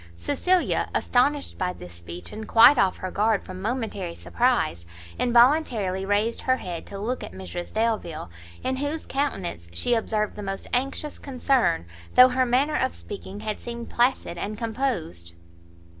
Cecilia, astonished by this speech, and quite off her guard from momentary surprize, involuntarily raised her head to look at Mrs Delvile, in whose countenance she observed the most anxious concern, though her manner of speaking had seemed placid and composed.